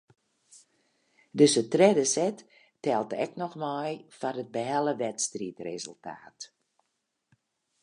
Dizze tredde set teld ek noch mei foar it behelle wedstriidresultaat.